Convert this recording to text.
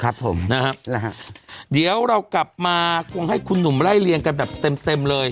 ครับผมนะฮะนะฮะเดี๋ยวเรากลับมาคงให้คุณหนุ่มไล่เรียงกันแบบเต็มเต็มเลย